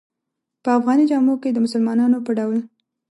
په افغاني جامو کې د مسلمانانو په ډول.